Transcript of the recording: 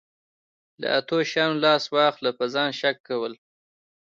له اتو شیانو لاس واخله په ځان شک کول.